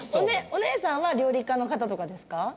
お姉さんは料理家の方とかですか？